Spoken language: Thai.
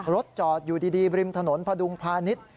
รถจอดอยู่ดีริมถนนพดุงพาณิชย์